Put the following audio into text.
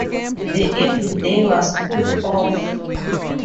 The evil day was put off.